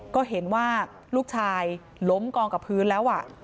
ก็เห็นว่าลูกชายล้มกองกับพื้นแล้ว